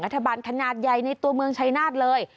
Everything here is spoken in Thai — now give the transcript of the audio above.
กระทบันขนาดใยในตัวเมืองชายนาฐเลย